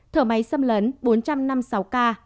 thở máy xâm lấn bốn trăm năm mươi sáu ca